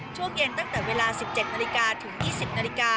ช่วงเย็นตั้งแต่เวลา๑๗นถึง๒๐น